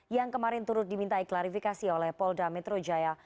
yang kemarin turut dimintai klarifikasi oleh polda metro jaya